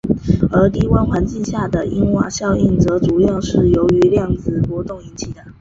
而低温环境下的因瓦效应则主要是由于量子波动引起的。